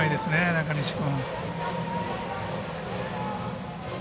中西君。